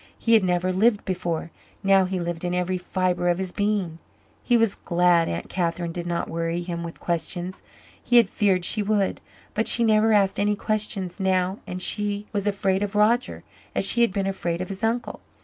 He had never lived before now he lived in every fibre of his being. He was glad Aunt Catherine did not worry him with questions. He had feared she would. But she never asked any questions now and she was afraid of Roger, as she had been afraid of his uncle.